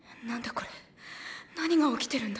これ何が起きてるんだ？